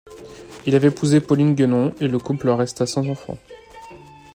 Il avait épousé Pauline Genon et le couple resta sans enfant.